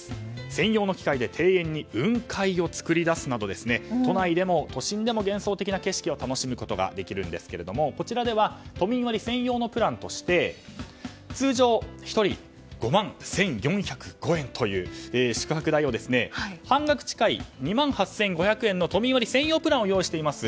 専用の機械で庭園に雲海を作り出すなど都内でも都心でも幻想的な景色を楽しむことができるんですがこちらでは都民割専用のプランとして通常、１人５万１４０５円という宿泊代を半額近い２万８５００円の都民割専用プランを用意しています。